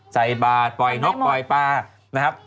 ใส่บาทปล่อยนกปล่อยปลานะครับ